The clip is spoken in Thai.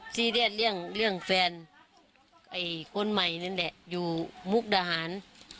ซีเรียสเรื่องเรื่องแฟนไอ้คนใหม่นั่นแหละอยู่มุกดาหาร